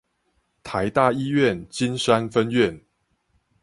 臺大醫院金山分院